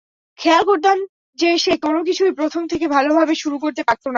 খেয়াল করতাম যে সে কোনকিছুই প্রথম থেকে ভালভাবে শুরু করতে পারত না।